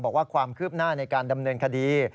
บอกว่าความคืบหน้าในการดำเนินคดี